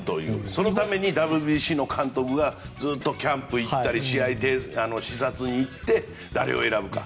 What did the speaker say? そのためにＷＢＣの監督がずっとキャンプ行ったり試合視察に行ったり誰を選ぶか。